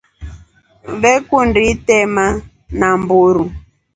Vee kundi itema namburu.